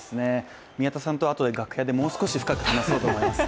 宮田さんとはあとで、楽屋でもう少し深く話そうと思います。